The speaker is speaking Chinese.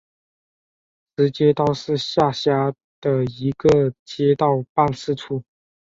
石街道是下辖的一个街道办事处。